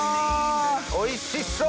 おいしそう！